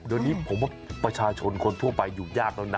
เดี๋ยวนี้ผมว่าประชาชนคนทั่วไปอยู่ยากแล้วนะ